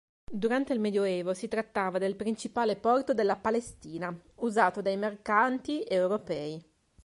Durante il Medioevo si trattava del principale porto della Palestina, usato dai mercanti europei.